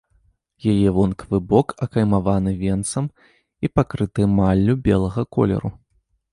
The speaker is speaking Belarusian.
Яе вонкавы бок акаймаваны венцам і пакрыты эмаллю белага колеру.